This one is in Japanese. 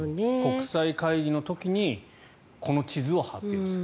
国際会議の時にこの地図を発表する。